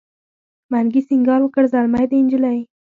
منګي سینګار وکړ زلمی دی نجلۍ